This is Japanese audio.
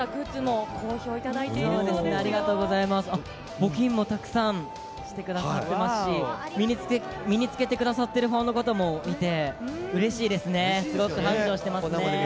募金もたくさんしてくださってますし、身につけてくださってるファンの方もいて、うれしいですね。